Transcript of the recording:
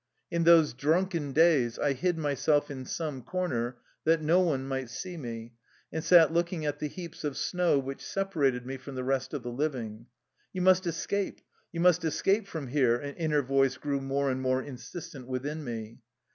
In those " drunken " days I hid myself in some corner that no one might see me, and sat looking at the heaps of snow which separated me from the rest of the living. " You must escape, you must escape from here/' an inner voice grew more and more in sistent within me.